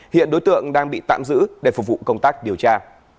hiện đối tượng đang bị tạm giữ để phục vụ công tác điều tra